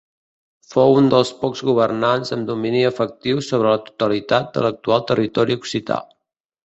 Fou un dels pocs governants amb domini efectiu sobre la totalitat de l'actual territori occità.